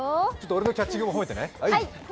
俺のキャッチングも褒めてね。